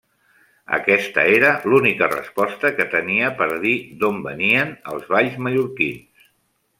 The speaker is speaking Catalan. Aquesta era l'única resposta que tenia per dir d'on venien els balls mallorquins.